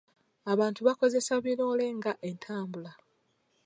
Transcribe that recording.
Abantu bakozesa biroole nga entambula.